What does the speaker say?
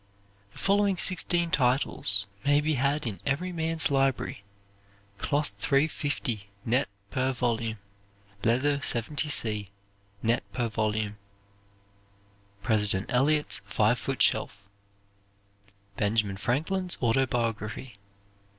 The following sixteen titles may be had in Everyman's Library, cloth 350. net per volume; leather 70 c. net per volume: President Eliot's Five Foot Shelf Benjamin Franklin's Autobiography.